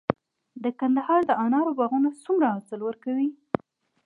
د کندهار د انارو باغونه څومره حاصل ورکوي؟